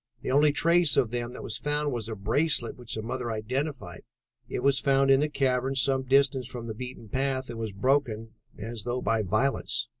The only trace of them that was found was a bracelet which the mother identified. It was found in the cavern some distance from the beaten path and was broken, as though by violence.